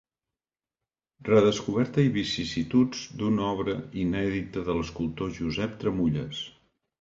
Redescoberta i vicissituds d'una obra inèdita de l'escultor Josep Tramulles.